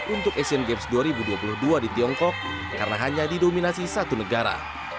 untuk asian games dua ribu dua puluh dua di tiongkok karena hanya didominasi satu negara